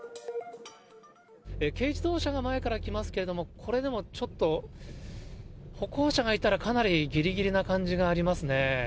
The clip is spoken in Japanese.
軽自動車が前から来ますけど、これでもちょっと、歩行者がいたら、かなりぎりぎりな感じがありますね。